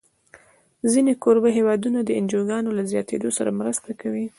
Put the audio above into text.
ځینې کوربه هېوادونه د انجوګانو له زیاتېدو سره مرسته کوي.